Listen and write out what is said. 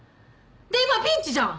で今ピンチじゃん！